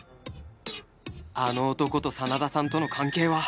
あの男と真田さんとの関係は？